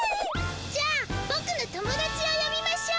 じゃあボクの友だちをよびましょう。